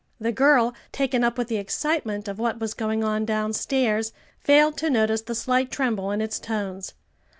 The girl, taken up with the excitement of what was going on downstairs, failed to notice the slight tremble in its tones.